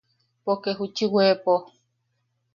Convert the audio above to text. Poke juchi weepo.